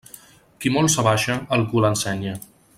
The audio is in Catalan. Qui molt s'abaixa, el cul ensenya.